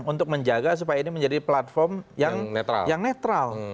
untuk menjaga supaya ini menjadi platform yang netral